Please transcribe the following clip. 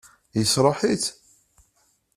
Yesṛuḥ-itt?